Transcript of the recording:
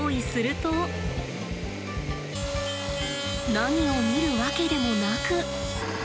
何を見るわけでもなく。